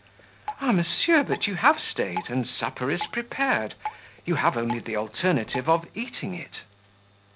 "Ah, monsieur, but you have stayed, and supper is prepared; you have only the alternative of eating it."